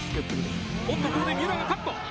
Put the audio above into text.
おっとここで三浦がカット！